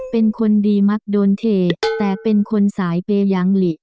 เป็นคนดีมักโดนเทแต่เป็นคนสายเปยยังหลี